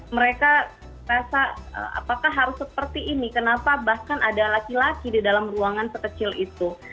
mereka rasa apakah harus seperti ini kenapa bahkan ada laki laki di dalam ruangan sekecil itu